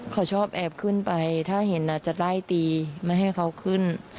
เขาชอบแอบขึ้นไปถ้าเห็นอาจจะไล่ตีไม่ให้เขาขึ้น